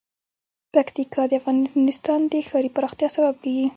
پکتیکا د افغانستان د ښاري پراختیا سبب کېږي.